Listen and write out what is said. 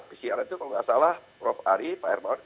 pcr itu kalau nggak salah prof ari pak hermawan